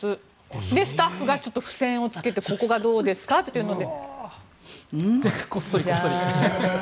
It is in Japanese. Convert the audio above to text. で、スタッフが付せんをつけてここはどうですかというので。